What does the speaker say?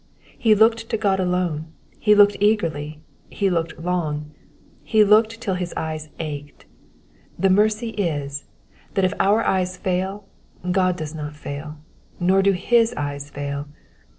He looked to God alone, he looked eagerly, he looked long, he looked till his eyes ached. The mercy is, that if our eyes fail, God does not fail, nor do his eyes fail.